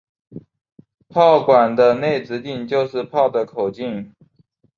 炮管的内直径就是炮的口径。